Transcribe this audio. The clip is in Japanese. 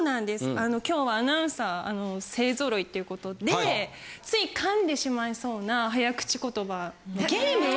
あの今日はアナウンサー勢ぞろいっていうことでつい噛んでしまいそうな早口言葉ゲームを。